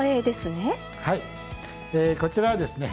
こちらはですね